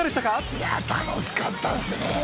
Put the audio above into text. いや、楽しかったですね。